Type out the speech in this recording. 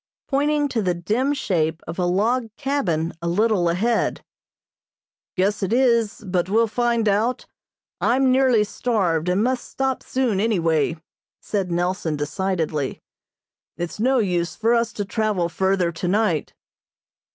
pointing to the dim shape of a log cabin a little ahead. "Guess it is, but we'll find out. I'm nearly starved, and must stop soon, any way," said Nelson decidedly. "It's no use for us to travel further tonight."